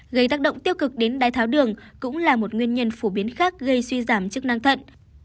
gây tác động tiêu cực đến đai tháo đường cũng là một nguyên nhân phổ biến khác gây suy giảm chức năng thận